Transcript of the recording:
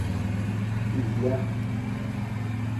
I hija.